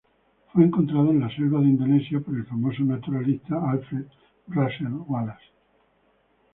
Fue encontrada en las selvas de Indonesia por el famoso naturalista Alfred Russel Wallace.